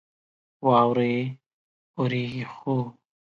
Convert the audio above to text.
واورې اوريږي ،خو